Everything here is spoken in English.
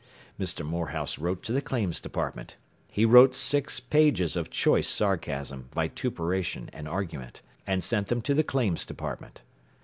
” Mr. Morehouse wrote to the Claims Department. He wrote six pages of choice sarcasm, vituperation and argument, and sent them to the Claims Department.